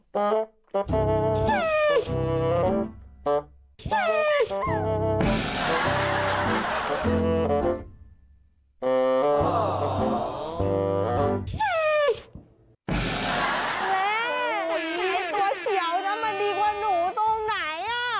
แม่ไอ้ตัวเขียวน้ำมันดีกว่าหนูตรงไหนอ่ะ